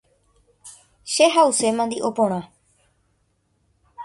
Che ha’use mandio porã.